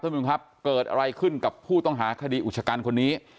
เติมมิวครับเกิดอะไรขึ้นกับผู้ต้องหาคดีอุชกรรค์คนนี้